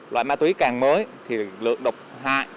loại ma túy càng mới thì lượng độc hại